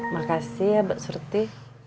makasih ya mbak surti